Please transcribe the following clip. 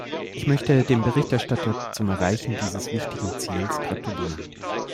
Ich möchte dem Berichterstatter zum Erreichen dieses wichtigen Ziels gratulieren.